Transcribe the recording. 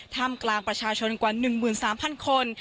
ท่ามกลางประชาชนกว่า๑๓๐๐คน